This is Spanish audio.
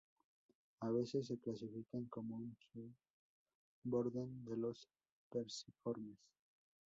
A veces se clasifican como un suborden de los Perciformes.